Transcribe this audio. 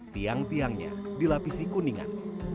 tiang tiangnya dilapisi kuningan